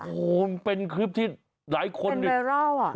โอ้โฮเป็นคลิปที่หลายคนเป็นไบร่อล